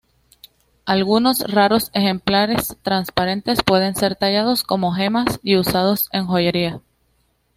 Algunos raros ejemplares transparentes pueden ser tallados como gemas y usados en joyería.